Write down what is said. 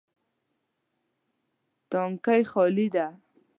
تانکی خالي ده